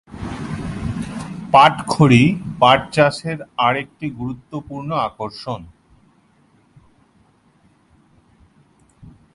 পাট খড়ি পাট চাষের আর একটি গুরুত্বপূর্ণ আকর্ষণ।